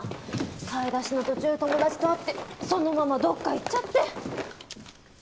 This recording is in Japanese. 買い出しの途中友達と会ってそのままどっか行っちゃって。